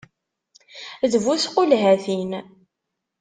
D bu tqulhatin!